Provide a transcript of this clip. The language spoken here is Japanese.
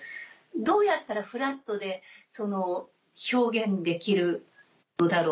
どうやったらフラットで表現できるだろう。